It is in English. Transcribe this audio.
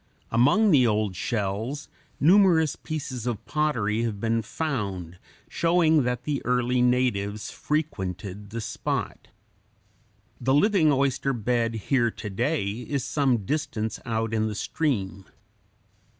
Among the old shells numerous pieces of pottery have been found, showing that the early natives frequented the spot. The living oyster bed here to day is some distance out in the stream.